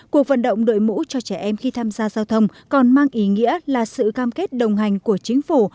cuộc vận động đội mũ cho trẻ em khi tham gia giao thông còn mang ý nghĩa là sự cam kết đồng hành của chính phủ